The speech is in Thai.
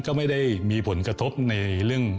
ก็ไม่ได้มีผลกระทบในเรื่อง